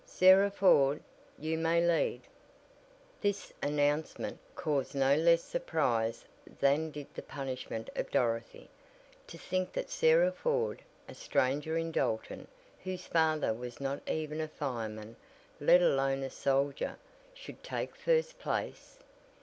"Sarah Ford, you may lead." This announcement caused no less surprise than did the punishment of Dorothy. To think that Sarah Ford, a stranger in Dalton, whose father was not even a firemen, let alone a soldier, should take first place!